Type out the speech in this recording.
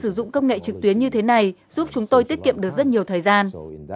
sử dụng công nghệ trực tuyến như thế này giúp chúng tôi tiết kiệm được rất nhiều thời gian